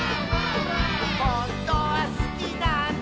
「ほんとはすきなんだ」